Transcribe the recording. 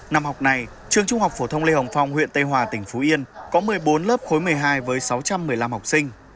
năm học này trường trung học phổ thông lê hồng phong huyện tây hòa tỉnh phú yên có một mươi bốn lớp khối một mươi hai với sáu trăm một mươi năm học sinh